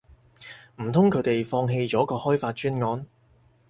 唔通佢哋放棄咗個開發專案